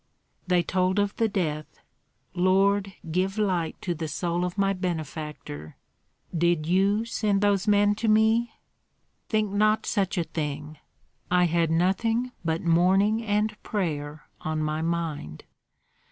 "They told of the death. Lord, give light to the soul of my benefactor! Did you send those men to me?" "Think not such a thing! I had nothing but mourning and prayer on my mind."